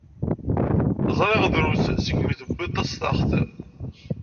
Ẓriɣ drus segmi tewwiḍ tastaɣt.